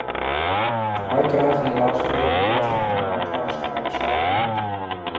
Wij krijgen helaas vele rapporten, maar de aanklagers grijpen zelden in.